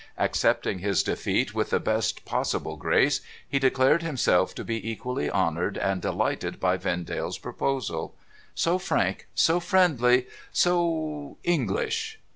Accepting his defeat with the best possible grace, he declared himself to be equally honoured and delighted by Vendale's proposal. ' So frank, so friendly, so English